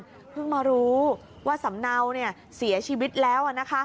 เพิ่งมารู้ว่าสำเนาเสียชีวิตแล้ว